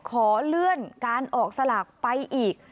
ขอเลื่อนการออกสลากไปอีก